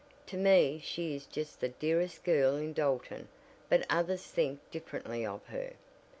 "To me she is just the dearest girl in Dalton, but others think differently of her."